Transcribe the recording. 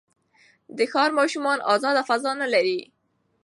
د ښار ماشومان ازاده فضا نه لري.